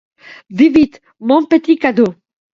Dis vite: Mon petit cadeau.